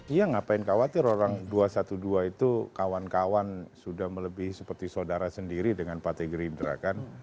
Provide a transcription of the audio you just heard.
iya ngapain khawatir orang dua ratus dua belas itu kawan kawan sudah melebih seperti saudara sendiri dengan partai gerindra kan